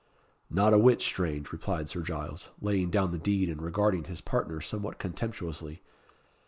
"Not a whit strange," replied Sir Giles, laying down the deed and regarding his partner somewhat contemptuously.